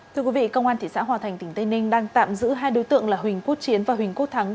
thưa quý vị công an thị xã hòa thành tỉnh tây ninh đang tạm giữ hai đối tượng là huỳnh quốc chiến và huỳnh quốc thắng